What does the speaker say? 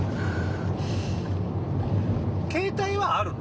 携帯はあるの？